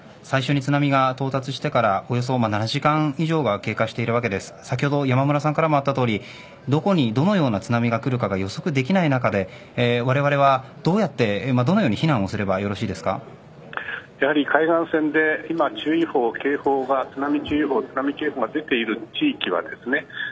最初に津波が到達してからおよそ７時間以上が経過しているわけですが山村さんからもあったとおりどこにどのような津波がくるか予測できない中でわれわれは、どうやって海岸線で今、注意報と警報が出ている地域はですね